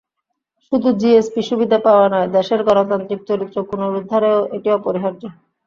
শুধু জিএসপি সুবিধা পাওয়া নয়, দেশের গণতান্ত্রিক চরিত্র পুনরুদ্ধারেও এটি অপরিহার্য।